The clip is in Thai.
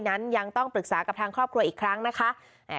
นั้นยังต้องปรึกษากับทางครอบครัวอีกครั้งนะคะ